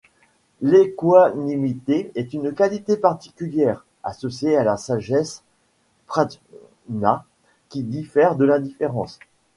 L'équanimité est une qualité particulière, associée à la sagesse, prajna, qui diffère de l'indifférence.